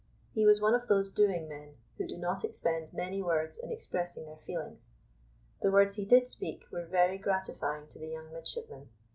He was one of those doing men who do not expend many words in expressing their feelings. The words he did speak were very gratifying to the young midshipmen.